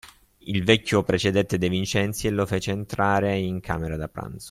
Il vecchio precedette De Vincenzi e lo fece entrare in camera da pranzo.